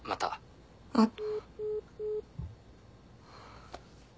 あっ。